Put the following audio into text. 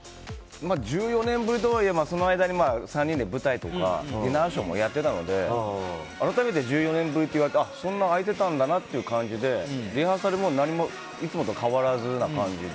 １４年ぶりとはいえ、その間に３人で舞台とかディナーショーもやっていたので改めて１４年ぶりと言われてそんな空いてたんだなという感じでリハーサルもいつもと変わらずな感じで。